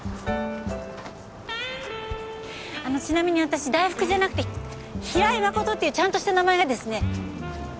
あのちなみに私大福じゃなくて平井真琴っていうちゃんとした名前がですね。